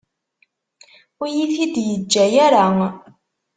Ur iyi-t-id-yeǧǧa ara.